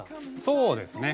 そうですね。